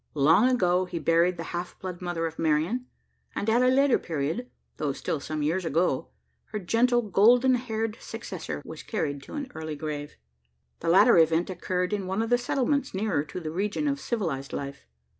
Long ago, he buried the half blood mother of Marian; and at a later period though still some years ago her gentle golden haired successor was carried to an early grave. The latter event occurred in one of the settlements, nearer to the region of civilised life.